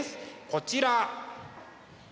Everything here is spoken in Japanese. こちら。